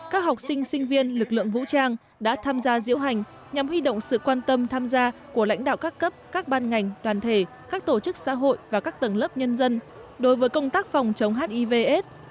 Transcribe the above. các học sinh sinh viên lực lượng vũ trang đã tham gia diễu hành nhằm huy động sự quan tâm tham gia của lãnh đạo các cấp các ban ngành đoàn thể các tổ chức xã hội và các tầng lớp nhân dân đối với công tác phòng chống hiv aids